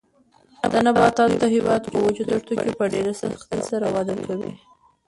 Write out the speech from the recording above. دا نباتات د هېواد په وچو دښتو کې په ډېر سختۍ سره وده کوي.